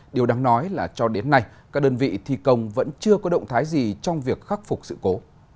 điều đáng nói là cho đến nay các đơn vị thi công vẫn chưa có động thái gì trong việc khắc phục sự cố